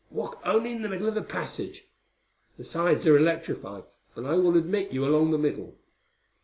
Walk only in the middle of the passage: the sides are electrified, but I will admit you along the middle."